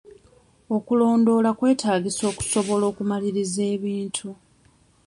Okulondoola kwetaagisa okusobola okumaliriza ebintu.